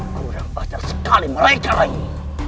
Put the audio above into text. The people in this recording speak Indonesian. kurang patah sekali mereka rayi